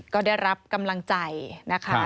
ก็ได้รับกำลังใจนะคะ